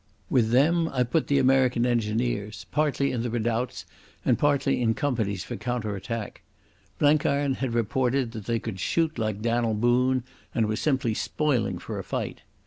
With them I put the American engineers, partly in the redoubts and partly in companies for counter attack. Blenkiron had reported that they could shoot like Dan'l Boone, and were simply spoiling for a fight.